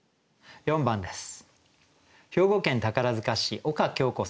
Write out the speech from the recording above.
４番です。